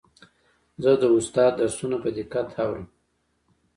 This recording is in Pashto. زه د استاد درسونه په دقت اورم.